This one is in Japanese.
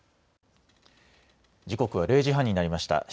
時刻は０時半になりました。